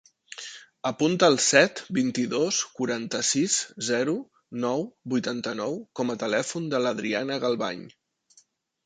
Apunta el set, vint-i-dos, quaranta-sis, zero, nou, vuitanta-nou com a telèfon de l'Adriana Galvañ.